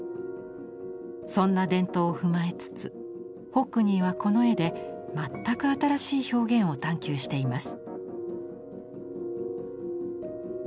そんな伝統を踏まえつつホックニーはこの絵で全く新しい表現を探求しています。